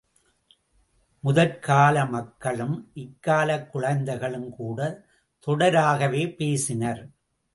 முதற்கால மக்களும் இக்காலக் குழந்தைகளுங் கூட, தொடராகவே பேசினர்.